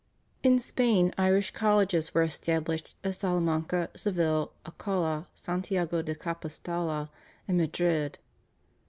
In Spain Irish colleges were established at Salamanca, Seville, Alcalá, Santiago de Compostella, and Madrid.